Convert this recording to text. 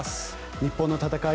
日本の戦い